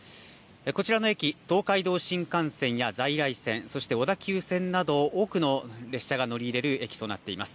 こちらの駅、東海道新幹線や在来線、そして小田急線など多くの列車が乗り入れる駅となっています。